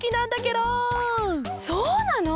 そうなの！？